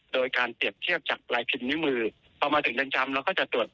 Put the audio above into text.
โดยการเปรียบเทียบจากลายพิมพ์นิ้วมือพอมาถึงเรือนจำเราก็จะตรวจ